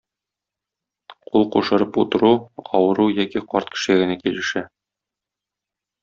Кул кушырып утыру авыру яки карт кешегә генә килешә.